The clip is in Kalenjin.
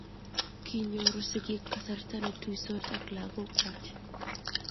kinyoru sigiik kasarta ne tuisot ak lagokwach